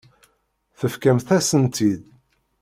Tefkamt-asen-tt-id.